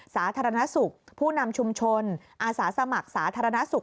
สาธารณสุขผู้นำชุมชนอาสาสมัครสาธารณสุข